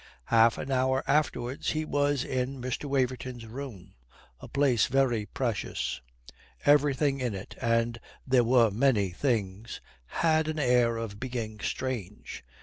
Half an hour afterwards he was in Mr. Waverton's room a place very precious. Everything in it and there were many things had an air of being strange. Mr.